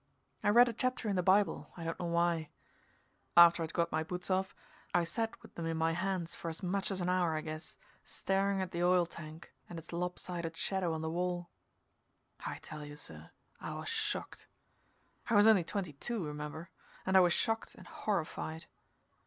I read a chapter in the Bible, I don't know why. After I'd got my boots off I sat with them in my hands for as much as an hour, I guess, staring at the oil tank and its lopsided shadow on the wall. I tell you, sir, I was shocked. I was only twenty two remember, and I was shocked and horrified.